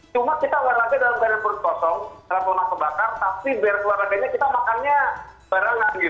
cuma kita olahraga dalam perut kosong dalam lemak pembakar tapi berarti olahraganya kita makannya berat lebih